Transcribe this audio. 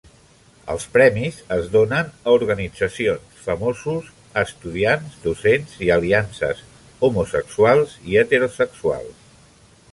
Els premis es donen a organitzacions, famosos, estudiants, docents i aliances homosexuals i heterosexuals.